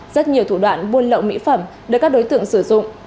rất nhiều thủ đoạn buôn lậu mỹ phẩm được các đối tượng sử dụng